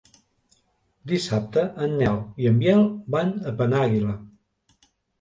Dissabte en Nel i en Biel van a Penàguila.